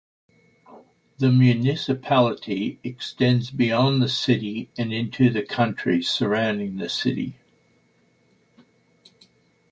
The municipality extends beyond the city and into the country surrounding the city.